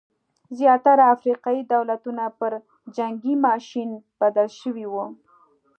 زیاتره افریقايي دولتونه پر جنګي ماشین بدل شوي وو.